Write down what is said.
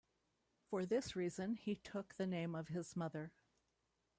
For this reason he took the name of his mother.